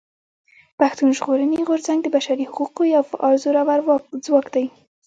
پښتون ژغورني غورځنګ د بشري حقونو يو فعال زورور ځواک دی.